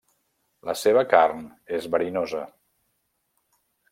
La seva carn és verinosa.